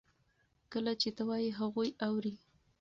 کله چې ته وایې هغوی اوري.